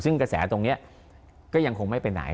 ซึ่งกระแสตรงนี้ก็ยังคงไม่ไปไหน